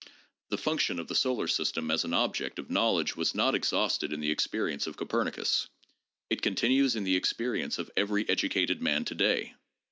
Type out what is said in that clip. The function of the solar system as an object of knowledge was not exhausted in the experience of Copernicus. It continues in the experience of every educated man to day.